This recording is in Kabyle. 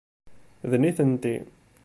D nitenti.